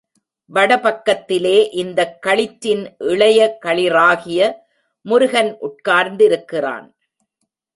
வட பக்கத்திலே இந்தக் களிற்றின் இளைய களிறாகிய முருகன் உட்கார்ந்திருக்கிறான்.